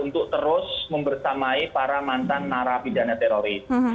untuk terus membersamai para mantan narapidana teroris